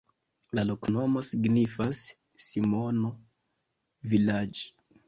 La loknomo signifas: Simono-vilaĝ'.